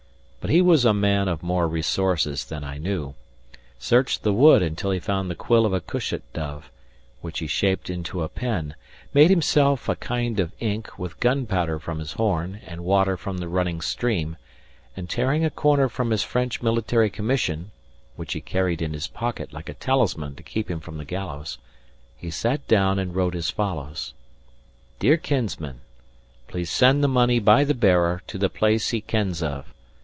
But he was a man of more resources than I knew; searched the wood until he found the quill of a cushat dove, which he shaped into a pen; made himself a kind of ink with gunpowder from his horn and water from the running stream; and tearing a corner from his French military commission (which he carried in his pocket, like a talisman to keep him from the gallows), he sat down and wrote as follows: "DEAR KINSMAN, Please send the money by the bearer to the place he kens of.